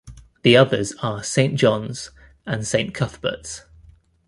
The others are Saint John's and Saint Cuthbert's.